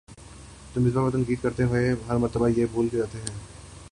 جو مصباح پر تنقید کرتے ہوئے ہر مرتبہ یہ بھول جاتے ہیں